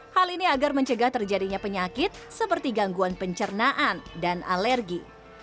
hal ini agar mencegah terjadinya penyakit seperti gangguan pencernaan dan alergi